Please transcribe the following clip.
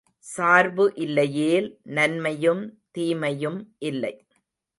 சார்பு இல்லையேல் நன்மையும் தீமையும் இல்லை.